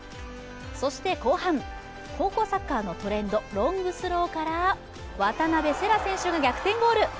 そして後半、高校サッカーのトレンド、ロングスローから渡邊星来選手が逆転ゴール。